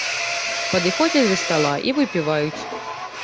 Падыходзяць да стала і выпіваюць.